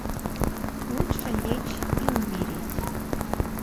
Лучше лечь и умереть.